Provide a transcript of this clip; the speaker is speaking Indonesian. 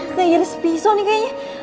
nggak jadi sepisau nih kayaknya